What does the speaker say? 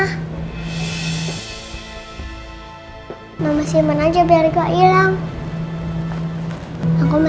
ini ada kunci ma di kamar mandi oma